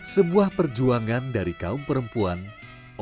sebuah perjuangan dari kaum perempuan